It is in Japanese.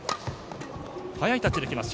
速いタッチで来ました